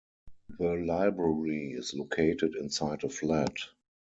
The library is located inside a flat.